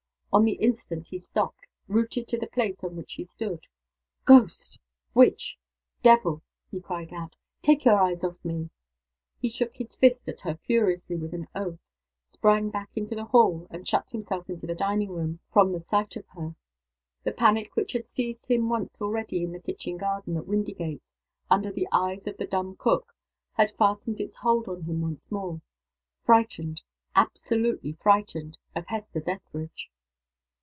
On the instant he stopped, rooted to the place on which he stood. "Ghost! witch! devil!" he cried out, "take your eyes off me!" He shook his fist at her furiously, with an oath sprang back into the hall and shut himself into the dining room from the sight of her. The panic which had seized him once already in the kitchen garden at Windygates, under the eyes of the dumb cook, had fastened its hold on him once more. Frightened absolutely frightened of Hester Dethridge!